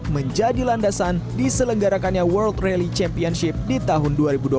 menjadi landasan diselenggarakannya world rally championship di tahun dua ribu dua puluh